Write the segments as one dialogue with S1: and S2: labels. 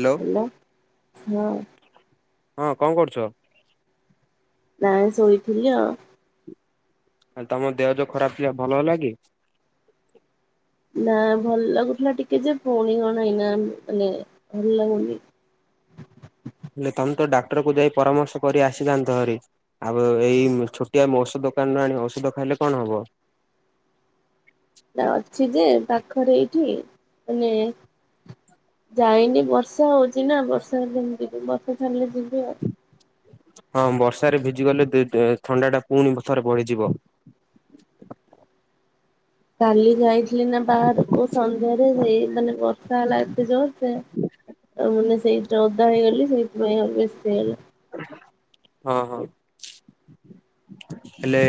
S1: Hello.
S2: ହେଲା ହଁ।
S1: ହଁ କଣ କରୁଛ?
S2: ନାଇଁ ସୋଇଥିଲି ଆଉ।
S1: ଆ ତମ ଦେହ ଯୋଉ ଖରାପ୍ ଥିଲା। ଭଲ ହେଲା କି?
S2: ନା ଭଲ୍ ଲାଗୁଥିଲା ଟିକେ ଯେ, ପୁଣି କଣ ଏଇନା ମାନେ ଭଲ ଲାଗୁନି।
S1: ହେଲେ ତମେ ତ ଡାକ୍ତରକୁ ଯାଇ ପରାମର୍ଶ କରି ଆସିଥାନ୍ତ ହରି। ଆଉ ଏଇ ଛୋଟିଆ ଔଷଧ ଦୋକାନ୍ ରୁ ଆଣି। ଔଷଧ ଖାଇଲେ କଣ ହବ?
S2: ନା ଅଛି ଯେ ପାଖରେ ଏଇଠି। ମାନେ ଯାଇନି ବର୍ଷା ହଉଛି ନା ବର୍ଷା ହେଲେ କେମିତି ଜିବି? ବର୍ଷା ଛାଡ଼ିଲେ ଯିବି ଆଉ।
S1: ହଁ ବର୍ଷାରେ ଭିଜି ଗଲେ ଥଣ୍ଡା ଟା ପୁଣି ଥରେ ବଢ଼ି ଯିବ?
S2: କାଲି ଯାଇଥିଲି ନା ବାହାରକୁ। ସନ୍ଧ୍ୟାରେ ହେଇ ମାନେ ବର୍ଷା ହେଲା ଏତେ ଜୋର୍ ସେ ଆଉ ମାନେ ସେଇଥିରେ ଓଦା ହେଇଗଲି। ସେଇଥିପାଇଁ ବେସି ହେଲା।
S1: ହଁ, ହଁ। ହେଲେ,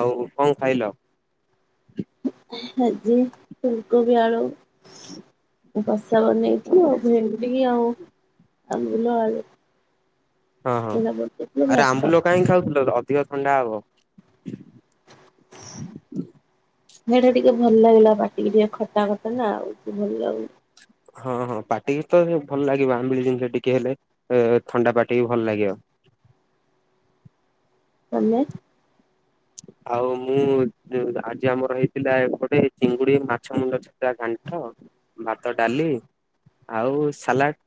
S1: ଆଉ କଣ ଖାଇଲ?
S2: ଆଜି ଫୁଲ୍ କୋବି ଆଳୁ। କଷା ବନେଇଥିଲୁ ଆଉ, ଭେଣ୍ଡି ଆଉ ଆମ୍ବୁଲ ଆଳୁ।
S1: ହଁ ହଁ
S2: ଏଇରା ପକେଇଥିଲୁ
S1: ଆରେ!
S2: ଭାତ
S1: ଆମ୍ବୁଲ କାହିଁକି ଖାଉଥିଲ, ଅଧିକ ଥଣ୍ଡା ହବ। [unintelligible]
S2: ସେଇଟା ଟିକେ ଭଲ୍ ଲାଗିଲା। ପାଟିକି ଟିକେ ଖଟା ଖଟା ନା, ଆଉି କିଛି ଭଲ୍ ଲାଗୁନି।
S1: ହଁ ହଁ, ପାଟିକି ତ ଭଲ ଲାଗିବ। ଆମ୍ବିଳି ଜିନିଷ ଟିକେ ହେଲେ, ଥଣ୍ଡା ପାଟିକି ଭଲ୍ ଲାଗିବ।
S2: ମାନେ?
S1: ଆଉ, ମୁଁ ଆଜି ଆମର ହେଇଥିଲା ଏପଟେ ଚିଙ୍ଗୁଡ଼ି ମାଛ ମୁଣ୍ଡ ଛିଞ୍ଚିଡ଼ା ଘଣ୍ଟ। ଭାତ, ଡାଲି, ଆଉ ସାଲାଡ୍।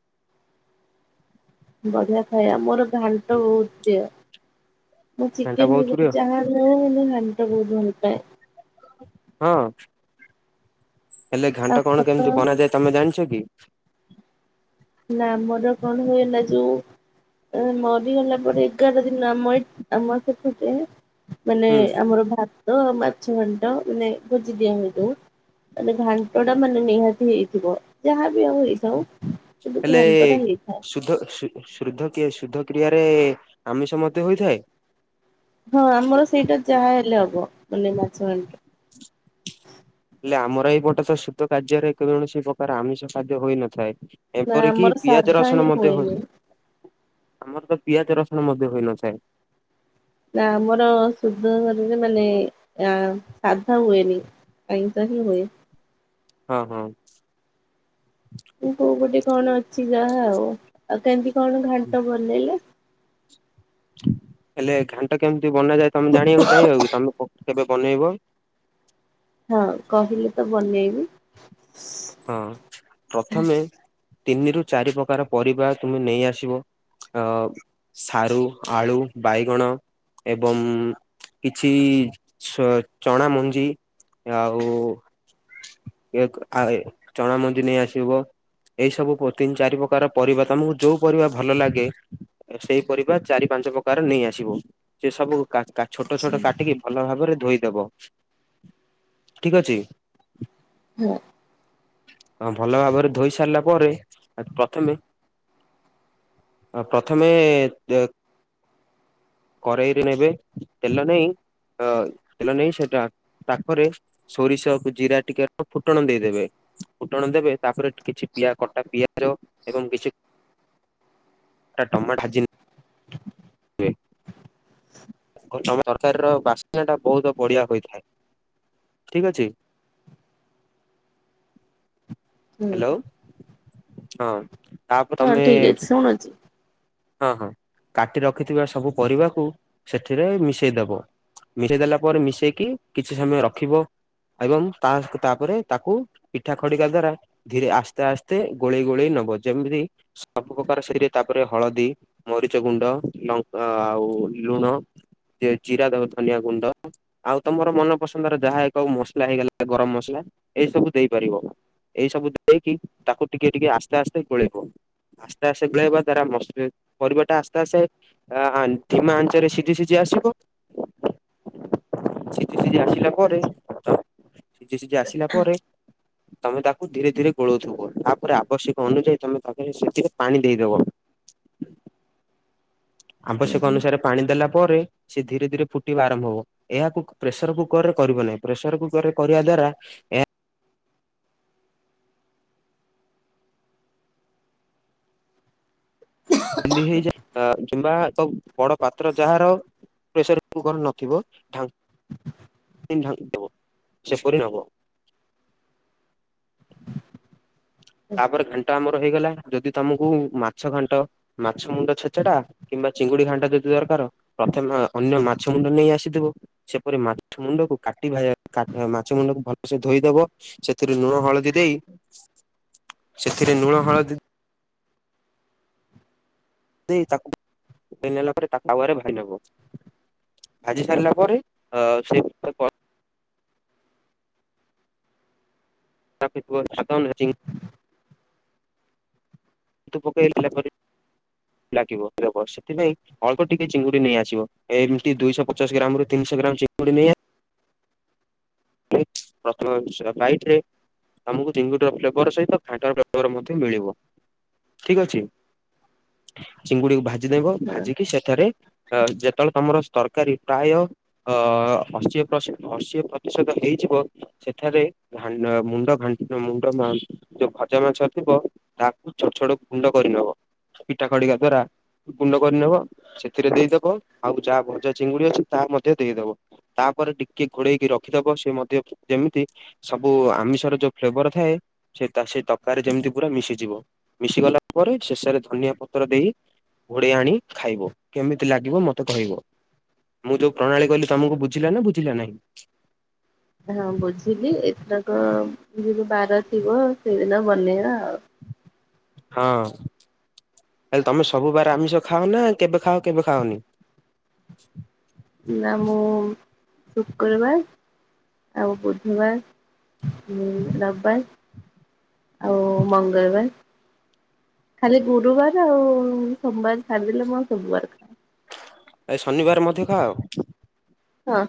S2: ବଢିଆ ଖାଇବା, ମୋର ଘାଣ୍ଟ ବହୁତ ପ୍ରିୟ। ମଁ
S1: ଘାଣ୍ଟ
S2: ଚିକେନ୍
S1: ବହୁତ ପ୍ରିୟ
S2: ବିରିୟାନୀ ଜାହା ନ ମାନେ, ଘାଣ୍ଟ ବହୁତ ଭଲ ପାଏ।
S1: ହଁ। ହେଲେ, ଘାଣ୍ଟ
S2: ଆମର
S1: କଣ
S2: ତ
S1: କେମିତି ବନାଯାଏ, ତମେ ଜାଣିଛ କି?
S2: ନା ଆମର କଣ ହୁଏଗଲା ଯୋଉ ମୋ ବି ଗଲା ପରେ ଏଗାର ଦିନ ଆମ ଏ ଆମ ସେୁଟେ। ମାନେ
S1: ହୁଁ
S2: ଆମର ଭାତ ମାଛଘଣ୍ଟ ମାନେ ଭୋଜି ଦିଆ ହଇଯଉ। ମାନେ ଘାଣ୍ଟ ଟା ମାନେ ନିହାତି ହେଇଥିବ ଯାହାବ ଆଉ ହେଇଥାଉ। କିନ୍ତୁ
S1: ହେଲେ
S2: ଘାଣ୍ଟ ଟା ହେଇଥାଏ।
S1: ସୁଧ ସୁ। ଶୁଦ୍ଧ ଶୁଦ୍ଧ କ୍ରିୟାରେ ଆମିଷ ମତେ ହୋଇଥାଏ।
S2: ହଁ, ଆମର ସେଇଟା ଯାହା ହେଲେ ହବ। ମାନେ ମାଛ ଆଣିଲେ।
S1: ହେଲେ, ଆମର ଏଇପଟେ ତ ସୂତ କାର୍ଯ୍ୟରେ କୌଣସି ପ୍ରକାର ଆମିଷ ଖାଦ୍ୟ ହୋଇନଥାଏ।
S2: ନା
S1: ଏପରିକି
S2: ଆମର
S1: ପିଆଜ,
S2: ସାଧା
S1: ରସୁଣ
S2: ହିଁ
S1: ମଧ୍ୟ ହଉ।
S2: ହୁଏନି।
S1: ଆମର ତ ପିଆଜ, ରସୁଣ ମଧ୍ୟ ହୋଇନଥାଏ।
S2: ନା, ଆମର ସୁଦ [unintelligible] ମାନେ ଆଁ ସାଧା ହୁଏନି। ଆଇଁଷ ହିଁ ହୁଏ।
S1: ହଁ, ହୁଁ।
S2: କୋଉ କୋଉ ପଟେ କଣ ଅଛି ଯାହା ଆଉ, ଆଉ କେମିତି କଣ ଘାଣ୍ଟ ବନେଇଲେ?
S1: ହେଲେ ଘାଣ୍ଟ କେମିତି ବନାଯାଏ ତମେ ଜାଣିବାକୁ ଚାହିଁବ କି, ତମେ କ-କେବେ ବନେଇବ?
S2: ହଁ କହିଲେ ତ ବନେଇବି।
S1: ହଁ ପ୍ରଥମେ ତିନିରୁ ଚାରି ପ୍ରକାର ପରିବା ତୁମେ ନେଇ ଆସିବ। ଅ ସାରୁ, ଆଳୁ, ବାଇଗଣ ଏବଂ କିଛି ଛ ଚଣା ମଞ୍ଜି, ଆଉ ଏକରୁ ଫାଳେ ଚଣା ମଞ୍ଜି ନେଇ ଆସିବ। ଏଇ ସବୁକୁ ତିନ, ଚାରି ପ୍ରକାର ପରିବା ତମକୁ ଯୋଉ ପରିବା ଭଲ ଲାଗେ ସେଇ ପରିବା ଚାରି ପାଞ୍ଚ ପ୍ରକାର ନେଇ ଆସିବ ସେ ସବୁ କା କା ଛୋଟ ଛୋଟ କାଟିକି ଭଲ ଭାବରେ ଧୋଇଦବ, ଠିକ ଅଛି। ହଁ ଭଲ ଭାବରେ ଧୋଇ ସାରିଲା ପରେ, ପ୍ରଥମେ ଆ ପ୍ରଥମେ କରେଇରେ ନେବେ, ତେଲ ନେଇ ଅ ତେଲ ନେଇ ସେଟା ତାପରେ ସୋରିଷକୁ ଜିରା ଟିକେ ଆଉ ଫୁଟଣ ଦେଇଦେବେ। ଫୁଟଣ ଦେବେ ତାପରେ କିଛିି ପିଆ କଟା ପିଆଜ ଏବଂ କିଛି ଟା ଟମା ଭାଜି କ ତମ ତରକାରୀର ବାସ୍ନାଟା ବହୁତ ବଢିଆ ହୋଇଥାଏ ଠିକ ଅଛି।
S2: ହୁଁ
S1: ହାଲୋ ହଁ ତାପରେ ତମେ
S2: ଶୁଣୁଚି।
S1: ହଁ ହଁ କାଟି ରଖିଥିବା ସବୁ ପରିବାକୁ ସେଥିରେ ମିଶେଇ ଦବ। ମିଶେଇ ଦେଲା ପରେ ମିଶେଇକି କିଛି ସମୟ ରଖିବ। ଏବଂ ତାଙ୍କ ତାପରେ ତାକୁ ପିଠା ଖଡିକା ଦ୍ଵାରା ଧୀରେ ଆସ୍ତେ ଆସ୍ତେ ଗୋଳେଇ ଗୋଳେଇ ନବ, ଯେମିତି ସବୁ ପ୍ରକାର ସେଇରେ ତାପରେ ହଳଦୀ, ମରିଚ ଗୁଣ୍ଡ, ଲ ଆଉ ଲୁଣ ଯେ ଜିରା ଦବ ଧନିଆ ଗୁଣ୍ଡ। ଆଉ ତମର ମନ ପସନ୍ଦର ଯାହା ଏ କୋଉ ମସଲା ହେଇଗଲା ଗରମ ମସଲା, ଏଇ ସବୁ ଦେଇପାରିବ। ଏଇ ସବୁ ଦେଇକି ତାକୁ ଟିକେ ଟିକେ ଆସ୍ତେ ଆସ୍ତେ ଗୋଳେଇବ, ଆସ୍ତେ ଆସ୍ତେ ଗୋଳେଇବା ଦ୍ୱାରା ମସ ପରିବାଟା ଆସ୍ତେ ଆସ୍ତେ ଆ ଧିମା ଆଞ୍ଚରେ ସିଜି ସିଜି ଆସିବ। ସିଜି ସିଜି ଆସିଲା ପରେ, ସିଜି ସିଜି ଆସିଲା ପରେ ତମେ ତାକୁ ଧୀରେ ଧୀରେ ଗୋଳଉଥିବ, ତାପରେ ଆବଶ୍ୟକ ଅନୁଯାୟୀ ତମେ ତାଧେରେ ସେଥିରେ ପାଣି ଦେଇଦବ। ଆବଶ୍ୟକ ଅନୁସାରେ ପାଣି ଦେଲା ପରେ ସେ ଧୀରେ ଧୀରେ ଫୁଟିବା ଆରମ୍ଭ ହବ। ଏହାକୁ ପ୍ରେସର କୁକରରେ କରିବ ନାହିଁ ପ୍ରେସର କୁକରରେ କରିବା ଦ୍ଵାରା ଏଆ ଜଲ୍ଦୀ ହେଇଯାଏ ଆ କିମ୍ବା ତ ବଡ ପାତ୍ର ଯାହାର ପ୍ରେସର କୁକର ନଥିବ ଢା [unintelligible] ସେପରି ନବ। ତାପରେ ଘାଣ୍ଟ ଆମର ହେଇଗଲା, ଯଦି ତମୁକୁ ମାଛ ଘାଣ୍ଟ ମାଛ ମୁଣ୍ଡ ଛେଚେଡା କିମ୍ବା ଚିଙ୍ଗୁଡି ଘାଣ୍ଟା ଯଦି ଦରକାର ପ୍ରଥମେ ଅନ୍ୟ ମାଛ ମୁଣ୍ଡ ନେଇ ଆସିଥିବ, ସେପରି ମାଛ ମୁଣ୍ଡକୁ କାଟି ଭା କା ମାଛ ମୁଣ୍ଡକୁ ଭଲସେ ଧୋଇଦବ ସେଥିରୁ ଲୁଣ, ହଳଦୀ ଦେଇ ସେଥିରେ ଲୁଣ, ହଳଦୀ ଦେଇ ତାକୁ [unintelligible] ନେଲା ପରେ ତାକୁ ତାୱାରେ ଭାଇ ନେବ। ଭାଜି ସାରିଲା ପରେ ଅ ସେ [unintelligible] [unintelligible] ଭାଜିକି। ତୁ ପକେଇ ଦେଲା ପରେ ଲାଗିବ ଇଏ ହବ ସେଥିପାଇଁ ଅଳ୍ପ ଟିକେ ଚିଙ୍ଗୁଡି ନେଇ ଆସିବ, ଏମିତି ଦୁଇଶ ପଚାଶ ଗ୍ରାମରୁ ତିନିଶ ଗ୍ରାମ ଚିଙ୍ଗୁଡି ନେଇ [unintelligible] ରେ ଆମକୁ ଚିଙ୍ଗୁଡିର ଫ୍ଲେଭର ସହିତ ଘାଣ୍ଟର ଫ୍ଲେଭର ମଧ୍ୟ ମିଳିବ। ଠିକ ଅଛି, ଚିଙ୍ଗୁଡିକୁ ଭାଜିଦବ ଭାଜିକି ସେଠାରେ ଯେତେବେଳେ ତମର ତରକାରୀ ପ୍ରାୟ ଅ ଅଶିପ୍ରଶି ଅସି ଷତ ହେଇଯିବ ସେଠାରେ ଧା ମୁଣ୍ଡ ଘା ମୁଣ୍ଡ ମା ଯୋଉ ଭଜା ମାଛ ଥିବ ତାକୁ ଛୋଟ ଛୋଟ ଗୁଣ୍ଡ କରିହବ ପିଠା ଖଡିକ ଦ୍ଵାରା ଗୁଣ୍ଡ କରିନବ ସେଥିରେ ଦେଇଦବ ଆଉ ଯାହା ଭଜା ଚିଙ୍ଗୁଡି ଅଛି ତାହା ମଧ୍ୟ ଦେଇଦବ। ତାପରେ ଟିକେ ଘୋଡେଇକି ରଖିଦବ ସେ ମଧ୍ୟ ଯେମିତି ସବୁ ଆମିଷର ଯୋଉ ଫ୍ଲେବର ଥାଏ ସେ ତା ସେଇ ତରକାରି ରେ ଯେମିତି ପୁରା ମିଶିଯିବ। ମିଶି ଗଲା ପରେ ଶେଷରେ ଧନିଆ ପତ୍ର ଦେଇ ଘୋଡ଼େଇ ଆଣି ଖାଇବ କେମିତି ଲାଗିବ ମତେ କହିବ। ମୁଁ ଯୋଉ ପ୍ରଣାଳୀ କହିଲି ତମକୁ ବୁଝିଲା ନା ବୁଝିଲା ନାହିଁ।
S2: ହଁ ବୁଝିଲି ଏଥରକ ଯୁ ବାର ଥିବ ସେଇଦିନ ବନେଇବା ଆଉ।
S1: ହଁ। ହେଲେ ତମେ ସବୁ ବାର ଆମିଷ ଖାଅ ନା କେବେ ଖାଅ କେବେ ଖାାଓନି।
S2: ନା ମୁଁ ଶୁକ୍ରବାର ଆଉ ବୁଧବାର ରବିବାର ଆଉ ମଙ୍ଗଳବାର ଖାଲି ଗୁରୁବାର ଆଉ ସୋମବାର ଛାଡ଼ି ଦେଲେ ମୁଁ ସବୁବାର ଖା
S1: ଏ ଶନିବାର ମଧ୍ୟ ଖା ଅ?
S2: ହଁ।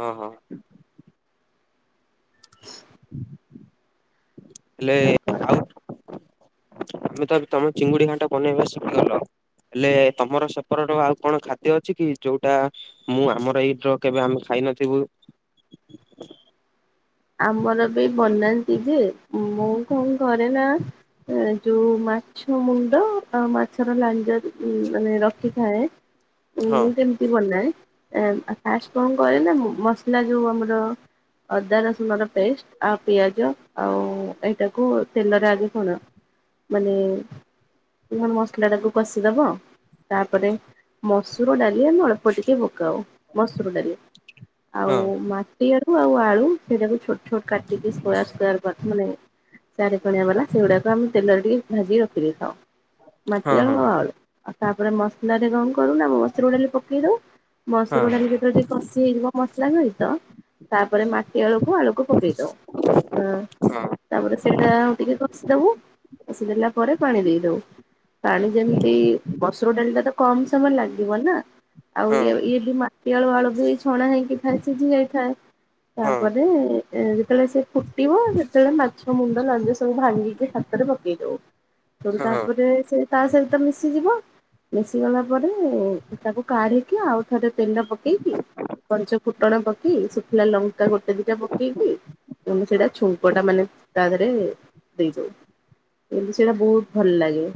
S1: ହଁ ହଁ।
S2: [unintelligible]
S1: ତମେ ତ ଏବେ ତମେ ଚିଙ୍ଗୁଡି ଘାଟା ବନେଇବା ଶିଖିଗଲ। ହେଲେ ତମର ସେପର ର ଆଉ କଣ ଖାଦ୍ୟ ଅଛି କି ଯୋଉଟା ମୁଁ ଆମର ଏଇଟ କେବେ ଆମେ ଖାଇ ନଥିବୁ।
S2: ଆମର ବି ବନାନ୍ତି ଯେ ମୁଁ କଣ ଘରେ ନା। ଯୋଉ ମାଛ ମୁଣ୍ଡ ମାଛର ଲାଞ୍ଜ ମାନେ ର କି ଥାଏ
S1: ହଁ
S2: ମୁଁ ସେମି କି ବନାଏ ଏ ଫାର୍ଷ୍ଟେ କଣ କରେ ନା ମସଲା ଯୋଉ ଆମର ଅଦା ର ଶୁଣ ର ପେଷ୍ଟ ଆଉ ପିଆଜ ଆଉ ଏଇଟାକୁ ତେଲରେ ଆଗେ କଣ ମାନେ ବିହନ ମସଲା ଟାକୁ କଷିଦବ ତାପରେ ମସୁର ଡାଲି ଆମେ ଅଳପ ଅଳପ ଟିକେ ପକାଓ ମସୁର ଡାଲି ଆଉ
S1: ହଁ
S2: ମାଟିଆଳୁ ଆଉ ଆଳୁ ସେଇଟାକୁ ଛୋଟ ଛୋଟ କାଟିକି ସ୍କୋୟାର ସ୍କୋୟାର ମାନେ ଚାରିକଣିଆବାଲା ସେଗୁଡା ତାମ୍ ତେଲରେ ଟିକେ ଭାଜି କି ରଖିଦେଇଥାଓ ମାଟି
S1: ହଁ
S2: ଆଳୁ
S1: ହଁ
S2: ଆଉ ଆଳୁ ଆଉ ତାପରେ ମସଲା ରେ କଣ କରୁ ନା ମସୁର ଡାଲି ପକେଇ ଦଉ ମସୁର
S1: ହଁ
S2: ଡାଲି ଯେ ଯଦି କଷି ହେଇଯିବ ମସଲା ସହିତ ତାପରେ ମା ଟି ଆଳୁ କୁ ଆଳୁ କୁ ପକେଇ ଦବୁ ହୁଁ।
S1: ହଁ
S2: ତାପରେ ସେଇଟା ଟିକେ କଷିଦବୁ କଷିଦେଲା ପରେ ପାଣି ଦେଇଦବୁ। ପାଣି ଯେମିତି ମସୁର ଡାଲି ଟା ତ କମ ସମୟ ଲାଗିବ ନା। ଆଉ
S1: ହଁ
S2: ଇଏ ଇଏବି ମାଟିଆଳୁ, ଆଳୁ ବି ଛଣା ହେଇକି ଥାଏ ସିଝି ଯାଇଥାଏ।
S1: ହଁ
S2: ତାପରେ ଯେତେବେଳେ ସେ ଫୁଟିବ ସେତେବେଳେ ମାଛ ମୁଣ୍ଡ, ଲାଞ୍ଜ, ସବୁ ଭାଙ୍ଗିକି ହାତରେ ପକେଇ ଦଉ ତେଣୁ
S1: ହଁ
S2: ତାପରେ ସେ ତାସହିତ ମିଶିଯିବ ମିଶି ଗଲାପରେ ତାକୁ କାଢିକି ଆଉ ଥରେ ତେଲ ପକେଇକି ପଞ୍ଚ ଫୁଟଣ ପକେଇ ଶୁଖିଲା ଲ ଲଙ୍କା ଗୋଟେ ଦିଇଟା ପକେଇକି ତ
S1: ହଁ
S2: ସେଇଟା ଛୁଙ୍କଟା ମାନେ ତା ଦେହରେ ଦେଇଦଉ, କିନ୍ତୁ ସେଇଟା ବହୁତୁ ଭଲ ଲାଗେ।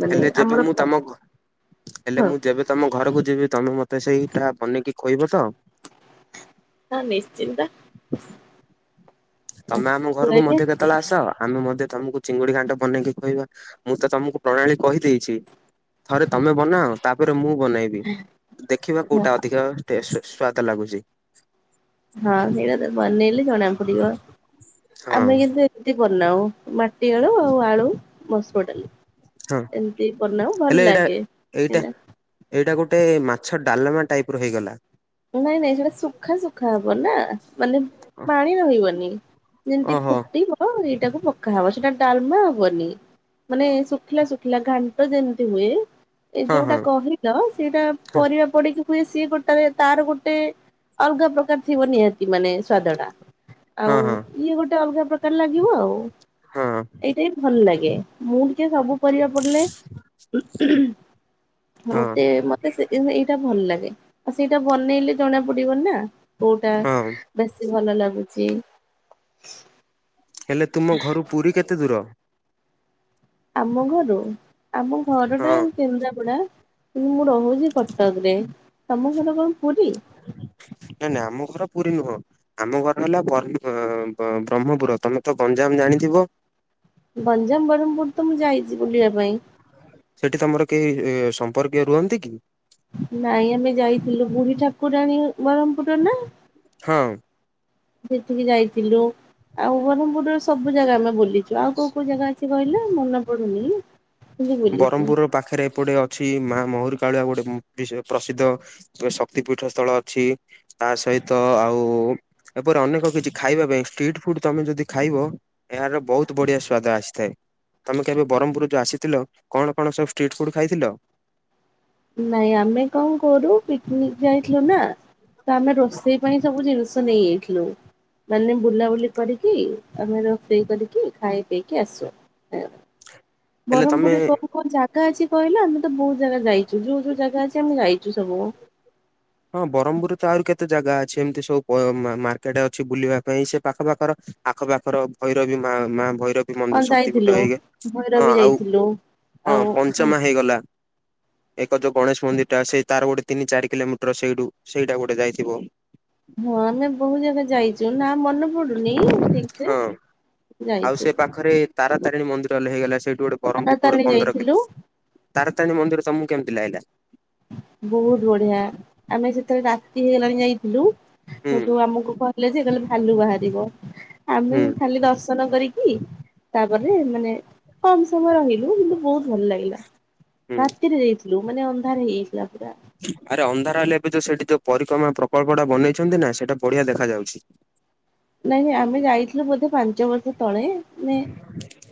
S2: ମାନେ
S1: ହେଲେ ଯେବେ
S2: ଆମର
S1: ମୁଁ
S2: ପ
S1: ତମ ଘ ହେଲେ
S2: ହଁ।
S1: ମୁଁ ଯେବେ ତମ ଘରକୁ ଯିବି ତମେ ମତେ ସେଇଟା ବନେଇକି ଖଇବ ତ।
S2: ହଁ ନିଶ୍ଚିନ୍ତ।
S1: ତମେ ଆମ ଘରକୁ ମଧ୍ୟ
S2: କହିବେ
S1: କେତ କେତେଳେ ଆସ ଆମେ ମେ ତମକୁ ଚିଙ୍ଗୁଡି ଘାଣ୍ଟ ବନେଇକି ଖୁଆଇବା ମୁଁ ତ ତମକୁ ପ୍ରଣାଳୀ କହିଦେଇଛି। ଥରେ ତମେ ବନାଅ, ତାପରେ ମୁଁ ବନେଇବି। ଦେଖିବା
S2: ହଁ
S1: କୋଉଟା ଅଧିକ ଟେଷ୍ଟ୍ ସ୍ଵାଦ ଲାଗୁଚି।
S2: ହଁ ସେଟା ତ ବନେଇଲେ ଜଣା ପଡିବ।
S1: ହଁ
S2: ଆମେ କିନ୍ତୁ ତି ବନାଉ ମାଟି ଆଳୁ ଆଉ ଆଳୁ ମସୁର ଡାଲି
S1: ହଁ।
S2: ଏମତି ପନାଉ
S1: ହେଲେ
S2: ଭଲ
S1: ଏଇଟା
S2: ଲାଗେ।
S1: ଏଇଟା
S2: ହେ
S1: ଏଇଟା ଗୋଟେ ମାଛ ଡାଲମା ଟାଇପ୍ ର ହେଇଗଲା।
S2: ନାଇଁ ନାଇଁ ସେଟା ସୁଖା ସୁୁଖା ହବ ନା, ମାନେ ପାଣି ରହିବନି। ଯେମିତି
S1: ଓହୋ
S2: ଫୁଟିବ ଏଇଟାକୁ ପକା ହବ ସେଟା ଡାଲମା ହବନି। ମାନେ, ଶୁଖିଲା ଶୁଖିଲା ଘାଣ୍ଟ ଯେମିତି ହୁଏ ଏ
S1: ହଁ
S2: ଯୋଉଟା
S1: ହଁ
S2: କହିଲ ସେଇଟା
S1: ହଁ
S2: ପରିବା ପଡିକି ହୁଏ, ସିଏ ଗୋଟାଏ ତାର ଗୋଟେ ଅଲଗା ପ୍ରକାର ଥିବ ନିହାତି ମାନେ ସ୍ଵାଦଟା, ଆଉ
S1: ହଁ ହଁ
S2: ଇଏ ଗୋଟେ ଅଲଗା ପ୍ରକାର ଲାଗିବ ଆଉ।
S1: ହଁ
S2: ଏଇଟା ହିଁ ଭଲ ଲାଗେ। ମୁଁ ଟିକେ ସବୁ ପରିବା ପଡିଲେ
S1: ହଁ
S2: ମତେ, ମତେ ଏଇଟା ଭଲ ଲାଗେ। ଆଉ ସେଇଟା ବନେଇଲେ ଜଣା ପଡିବନିନା, କୋଉଟା
S1: ହଁ
S2: ବେଶୀ ଭଲ ଲାଗୁଛି
S1: ହେଲେ ତୁମ ଘରୁ ପୂରୀ କେତେ ଦୂର?
S2: ଆମ ଘରୁ, ଆମ ଘରଟା
S1: ହଁ
S2: କେନ୍ଦ୍ରାପଡା କିନ୍ତୁ, ମୁଁ ରହୁଛି କଟକରେ। ତମ ଘର କଣ ପୂରୀ?
S1: ନାଇଁ, ନାଇଁ, ଆମ ଘର ପୂରୀ ନୁହଁ। ଆମ ଘର ହେଲା ବର- ବ୍ରହ୍ମପୁର। ତମେ ତ ଗଞ୍ଜାମ ଜାଣିଥିବ?
S2: ଗଞ୍ଜାମ, ବରହମପୁର ତ ମୁଁ ଯାଇଛି ବୁଲିବା ପାଇଁ।
S1: ସେଠି ତମର କେହି ସମ୍ପର୍କୀୟ ରୁହନ୍ତି କି?
S2: ନାଇଁ, ଆମେ ଯାଇଥିଲୁ। ବୁଢୀ ଠାକୁରାଣୀ ବରହମ୍ପପୁର ର ନା?
S1: ହଁ।
S2: ସେଠକି ଯାଇଥିଲୁ ଆଉ ବରହମପୁର ସବୁ ସବୁ ଜାଗା ଆମେ ବୁଲିଛୁ। ଆଉ କୋଉ କୋଉ ଜାଗା ଅଛି କହିଲ ମନେ ପଡୁନି? କିନ୍ତୁ ବୁଲିଛି।
S1: ବ୍ରରହ୍ମମ ପୁର ପାଖରେ ଏପଟେ ଅଛି, ମା ମହୁରି କାଳୁଆ ଗୋଟେ ପ୍ରସିଦ୍ଧ ଶକ୍ତିପୀଠ ସ୍ଥଳ ଅଛି। ତା ସହିତ ଆଉ ଏପରି ଅନେକ କିଛି ଖାଇବା ପାଇଁ ଷ୍ଟ୍ରିଟ୍ ଫୁଡ ତମେ ଯଦି ଖାଇବ ଏହାର ବହୁତ ବଢିଆ ସ୍ଵାଦ ଆସିଥାଏ, ତମେ କେବେ ବ୍ରହ୍ମପୁର ଯୋଉ ଆସି ଥିଲ। କଣ କଣ ସବୁ ଷ୍ଟ୍ରିଟ୍ ଫୁଡ୍ ଖାଇଥିଲ?
S2: ନାଇଁ ଆମେ କଣ କରୁ ପିକ୍ନିକ୍ ଯାଇଥିଲୁ ନା ତ ଆମେ ରୋଷେଇ ପାଇଁ ସବୁ ଜିନିଷ ନେଇଯାଇଥିଲୁ। ମାନେ ବୁଲାବୁଲି କରିକି ଆମେ ରୋଷେଇ କରିକି ଖାଇ ପିଇକି ଆସୁ। ହେଲା।
S1: ହେଲେ
S2: ବରହମପୁର
S1: ତମେ
S2: ରେ କୋଉ କୋଉ ଜାଗା ଗା, ଅଛି କହିଲ? ଆମେ ତ ବହୁତ ଜାଗା ଯାଇଛୁ। ଯୋଉ ଯୋଉ ଜାଗା ଅଛି ଆମେ ଯାଇଛୁ ସବୁ।
S1: ହଁ ବ୍ରହ୍ମପୁରରେ ତ ଆଉରି କେତେ ଜାଗା ଅଛି ଏମିତି ସବୁ ମାର୍କେଟ ଅଛି ବୁଲିବା ପାଇଁ ସେ ପାଖ ପାାଖର ଆଖପାଖର ଭୈରବି ମା-ମା ଭୈରବି
S2: ହଁ
S1: ମନ୍ଦିର ଶକ୍ତିପୀଠ
S2: ଯାଇଥିଲୁ
S1: ହାଇଗଲା। ହଁ
S2: ଭୈରବୀ
S1: ଆଉ
S2: ଯାଇଥିଲୁ।
S1: ହଁ ପଞ୍ଚମା ହେଇଗଲା ଏକ ଯୋଉ ଗଣେଶ ମନ୍ଦିରଟା ସେଇ ତାର ଗୋଟେ ତିନି, ଚାରି, କିଲୋମିଟର ସେଇଠୁ ସେଇଟା ଗୋଟେ ଯାଇଥିବ।
S2: ହଁ, ଆମେ ବହୁତ ଜାଗା ଯାଇଛୁ ନା ମନେ ପଡୁନି ଠିକ୍ ସେ
S1: ହଁ। ଆଉ ସେ
S2: ଯାଇଛୁ।
S1: ପାଖରେ ତାରାାତିଣୀ ମନ୍ଦିର ହେଲେ ହେଇଗଲା, ସେଇଠୁ ଗୋଟ ବରମହ୍ମପୁର ଠୁ ଗୋଟେ
S2: ତାରାତାରିଣୀ
S1: ପନ୍ଦର
S2: ଯାଇଥିଲୁ
S1: ତାରାତାରିଣୀ ମନ୍ଦିର ତମକୁ କେମିତି ଲାଗିଲା?
S2: ବହୁତ ବଢିଆ, ଆମେ ସେତେବେଳେ ରାତି ହେଇଗଲାଣି ଯାଇଥିଲୁ।
S1: ହୁଁ
S2: ସେଠୁ ଆମକୁ କହିଲେ ଯେ କହିଲେ ଭାଲୁ ବାହାରିବ
S1: ହୁଁ
S2: ଆମେ ଖାଲି ଦର୍ଶନ କରିକି ତାପରେ ମାନେ କମ ସମୟ ରହିଲୁ, କିନ୍ତୁ ବହୁତ ଭଲ ଲାଗିଲା।
S1: ହୁଁ
S2: ରାତିରେ ଯାଇଥିଲୁ ମାନେଅନ୍ଧାର ତାର ହେଇଯାଇଥିଲା ପୁରା
S1: ଆରେ, ଅନ୍ଧାର ହେଲେ ଏବେ ଯୋଉ ସେଠି ଯୋଉ ପରିକ୍ରମା ପ୍ରକଳ୍ପଟା ବନେଇଛନ୍ତି ନା, ସେଇଟା ବଢିଆ ଦେଖାଯାଉଛି।
S2: ନାଇଁ ଆମେ ଯାଇଥିଲୁ ବୋଧେ ପାଞ୍ଚ ବର୍ଷ ତଳେ ମାନେ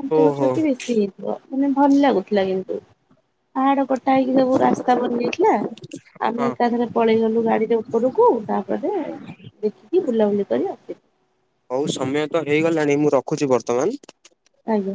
S2: ପାଞ୍ଚ
S1: ଓହୋ
S2: ବର୍ଷ କି ବେଶୀ ହେଇ ମାନେ ଭଲ ଲାଗୁଥିଲା କିନ୍ତୁ ପାହାଡ କଟା ହେଇକି ସବୁ ରାସ୍ତା ବନାଯାଇଥିଲା। ଆମେ
S1: ହଁ ହଁ
S2: ଏକାଥରେ ପଳେଇ ଗଲୁ ଗାଡିରେ ଉପରୁକୁ ତାପରେ ଦେଖିକି ବୁଲାବୁଲି କରି ଆସିଲୁ।
S1: ହଉ ସମୟ ତ ହେଇଗଲାଣି ମୁଁ ରଖୁଛି ବର୍ତ୍ତମାନ।
S2: ଆଜ୍ଞା।